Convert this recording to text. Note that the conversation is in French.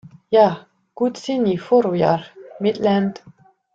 Ja, Gud signi Føroyar, mítt land!